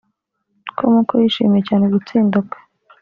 com ko yishimiye cyane gutsinda kwe